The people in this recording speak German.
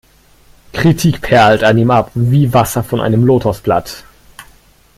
Kritik perlt an ihm ab wie Wasser von einem Lotosblatt.